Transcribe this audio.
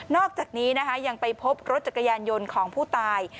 อกจากนี้นะคะยังไปพบรถจักรยานยนต์ของผู้ตาย